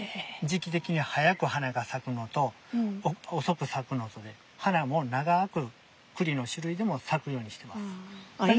時期的に早く花が咲くのと遅く咲くのとで花も長くクリの種類でも咲くようにしてます。